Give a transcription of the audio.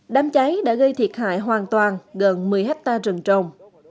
đám cháy đã gây thiệt hại hoàn toàn gần một mươi hectare rừng trồng